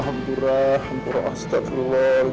hampura hampura astaghfirullah ya allah